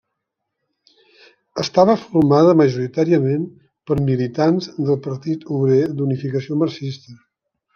Estava formada majoritàriament per militants del Partit Obrer d'Unificació Marxista.